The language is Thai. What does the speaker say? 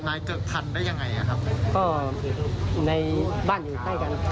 ไม่มีครับ